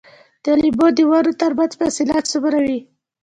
د لیمو د ونو ترمنځ فاصله څومره وي؟